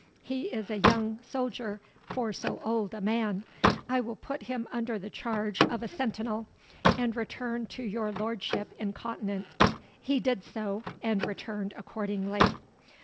he is a young soldier for so old a man; I will put him under the charge of a sentinel, and return to your lordship incontinent." He did so, and returned accordingly.